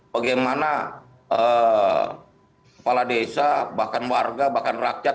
bagaimana kepala desa bahkan warga bahkan rakyat